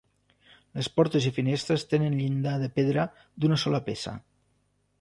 Les portes i finestres tenen llinda de pedra d'una sola peça.